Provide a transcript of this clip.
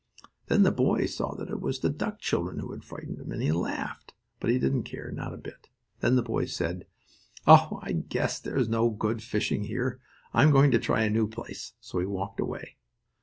Then the boy saw that it was the duck children who had frightened him, and he laughed; but they didn't care, not a bit. Then the boy said: "Oh, I guess there is no good fishing here. I'm going to try a new place," so he walked away.